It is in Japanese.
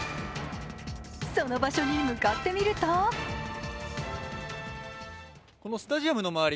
その場所に向かってみるとこのスタジアムの周り